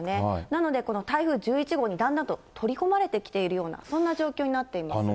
なので、この台風１１号にだんだんと取り込まれてきているような、そんな状況になっています。